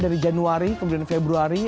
dari januari ke februari